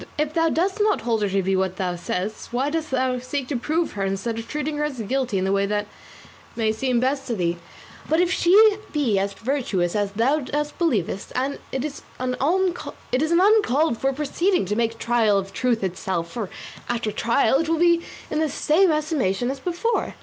If thou dost not hold her to be what thou why dost thou seek to prove her instead of treating her as guilty in the way that may seem best to thee? but if she be as virtuous as thou believest, it is an uncalled for proceeding to make trial of truth itself, for, after trial, it will but be in the same estimation as before.